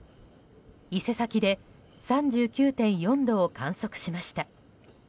伊勢崎で３９．４度を観測しました。